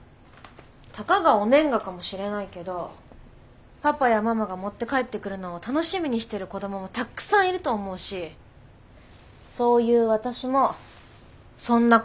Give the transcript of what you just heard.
たかがお年賀かもしれないけどパパやママが持って帰ってくるのを楽しみにしてる子どももたくさんいると思うしそういう私もそんな子どもの一人だったしさ。